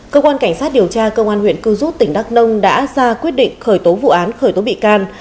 cơ quan cảnh sát điều tra công an huyện cư rút tỉnh đắk nông đã ra quyết định khởi tố vụ án khởi tố bị can